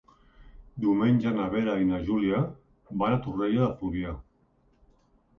Diumenge na Vera i na Júlia van a Torroella de Fluvià.